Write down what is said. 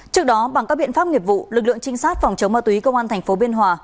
trước đó bằng các biện pháp nghiệp vụ lực lượng trinh sát phòng chống ma túy công an tp biên hòa